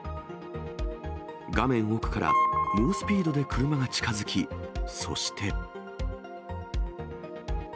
画面奥から、猛スピードで車が近づき、そして。